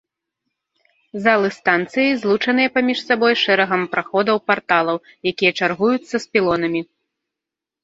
Залы станцыі злучаныя паміж сабой шэрагам праходаў-парталаў, якія чаргуюцца з пілонамі.